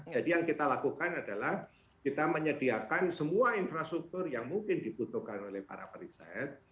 jadi yang kita lakukan adalah kita menyediakan semua infrastruktur yang mungkin dibutuhkan oleh para riset